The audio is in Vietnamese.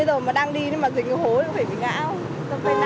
nên là bất đắc phải đi vào thôi ạ